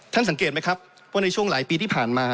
สังเกตไหมครับว่าในช่วงหลายปีที่ผ่านมา